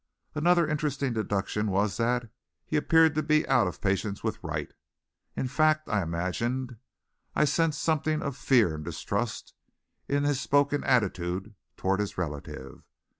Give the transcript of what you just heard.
Another interesting deduction was that he appeared to be out of patience with Wright. In fact, I imagined I sensed something of fear and distrust in this spoken attitude toward his relative.